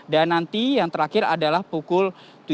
dan nanti yang terakhir adalah pukul tujuh belas tiga puluh lima